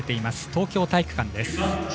東京体育館です。